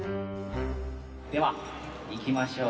ではいきましょう！